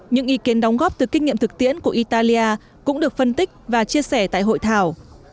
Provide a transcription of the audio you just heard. những ý kiến đóng góp từ kinh nghiệm thực tiễn của italia cũng được phân tích và chia sẻ tại hội thảo